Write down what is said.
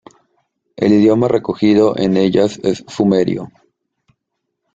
El idioma recogido en en ellas es sumerio.